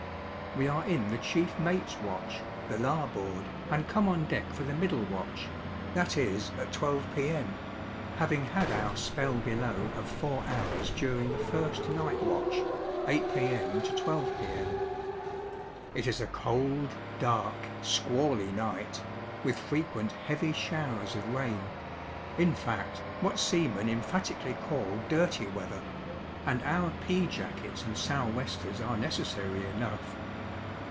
We are in the chief mate's watch (the larboard), and come on deck for the middle watch that is, at 12 P.M. having had our spell below of four hours during the first night watch (8 P.M. to 12 P.M.) It is a cold, dark, squally night, with frequent heavy showers of rain in fact, what seamen emphatically call 'dirty' weather, and our pea jackets and sou' westers are necessary enough.